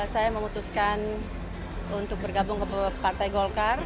saya memutuskan untuk bergabung ke partai golkar